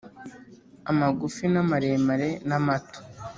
amagufi na maremare namato